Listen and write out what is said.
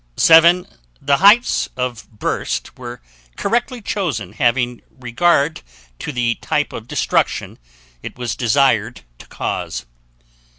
7. The heights of burst were correctly chosen having regard to the type of destruction it was desired to cause.